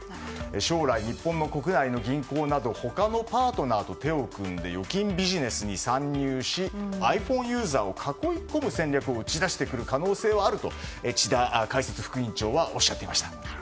将来、日本の国内の銀行など他のパートナーと手を組んで預金ビジネスに参入してｉＰｈｏｎｅユーザーを囲い込む戦略を打ち出してくる可能性があると智田解説副委員長はおっしゃっていました。